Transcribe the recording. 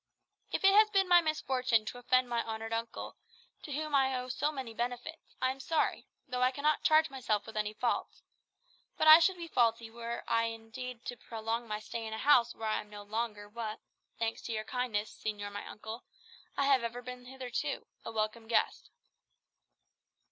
"If it has been my misfortune to offend my honoured uncle, to whom I owe so many benefits, I am sorry, though I cannot charge myself with any fault. But I should be faulty indeed were I to prolong my stay in a house where I am no longer what, thanks to your kindness, señor my uncle, I have ever been hitherto, a welcome guest."